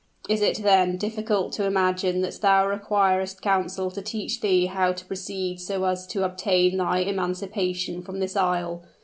Is it, then, difficult to imagine that thou requirest counsel to teach thee how to proceed so as to obtain thine emancipation from this isle?